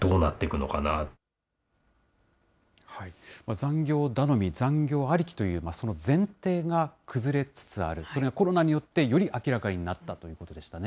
残業頼み、残業ありきというその前提が崩れつつある、それがコロナによってより明らかになったということでしたね。